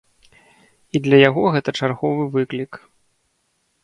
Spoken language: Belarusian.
І для яго гэта чарговы выклік.